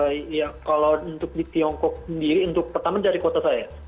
iya kalau untuk di tiongkok sendiri untuk pertama dari kota saya